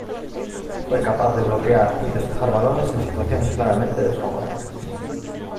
Fue capaz de bloquear y despejar balones en situaciones claramente desfavorables.